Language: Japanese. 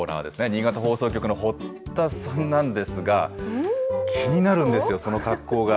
新潟放送局の堀田さんなんですが、気になるんですよ、そのかっこうが。